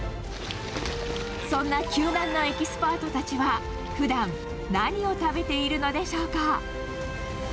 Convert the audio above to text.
そんな救難のエキスパートたちは、ふだん何を食べているのでしょうか？